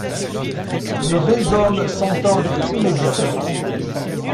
Les deux hommes s'entendent immédiatement.